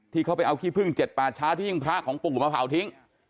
ที่เขาไปเอาขี้พึ่ง๗ป่าช้าที่หิ้งพระของปู่มาเผาทิ้ง